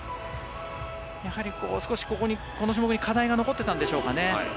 少しこの種目に課題が残ってたんでしょうかね。